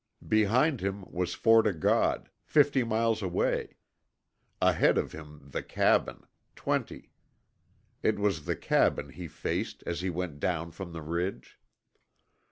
Behind him was Fort O' God, fifty miles away; ahead of him the cabin twenty. It was the cabin he faced as he went down from the ridge.